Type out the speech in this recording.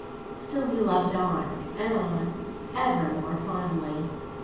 Still he loved on, and on, ever more fondly.